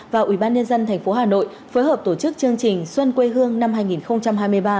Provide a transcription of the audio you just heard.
và ubnd tp hà nội phối hợp tổ chức chương trình xuân quê hương năm hai nghìn hai mươi ba